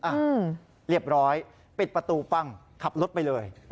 อ่ะเรียบร้อยปิดประตูปั้งขับรถไปเลย